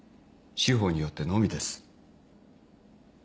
司法によってのみです。